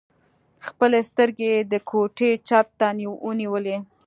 خپلې سترګې يې د کوټې چت ته ونيولې.